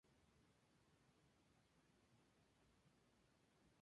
Sin embargo, en los metales, este fenómeno es prácticamente inexistente.